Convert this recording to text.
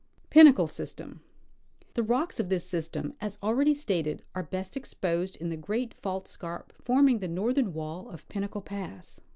Pinnacle System. The rocks of this system, as already stated, are best exposed in the great fault scarp forming the northern wall of Pinnacle pass.